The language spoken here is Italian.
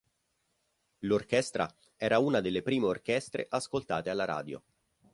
L'Orchestra era una delle prime orchestre ascoltate alla radio.